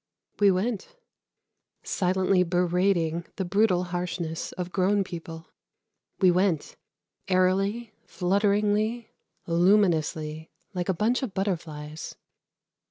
We went, silently berating the brutal harshness of grown people. We went, airily, flutteringly, luminously, like a bunch of butterflies.